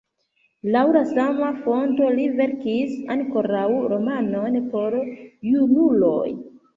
Laŭ la sama fonto li verkis ankoraŭ romanon por junuloj.